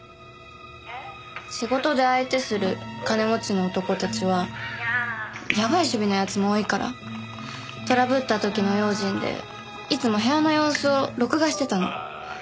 仕事で相手する金持ちの男たちはやばい趣味の奴も多いからトラブった時の用心でいつも部屋の様子を録画してたの。